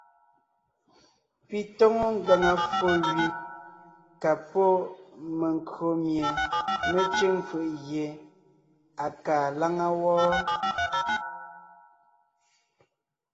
Pi tóŋo ngàŋa ffo gẅi ka pɔ́ menkÿo mie mé cʉ̂ŋ fʉʼ gie á kaa láŋa wɔ́.